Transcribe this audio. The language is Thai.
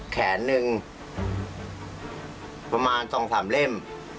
แขนหนึ่งประมาณ๒๓เล่ม